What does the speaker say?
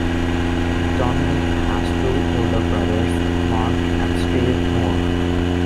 Dominic has two older brothers: Mark and Steve Moore.